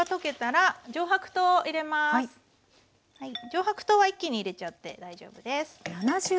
上白糖は一気に入れちゃって大丈夫です。